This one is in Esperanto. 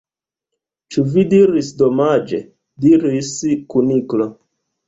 "Ĉu vi diris 'Domaĝe'?" diris la Kuniklo.